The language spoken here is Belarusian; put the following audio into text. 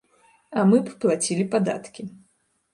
А мы б плацілі падаткі.